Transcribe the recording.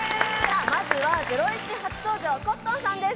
まずは『ゼロイチ』初登場、コットンさんです。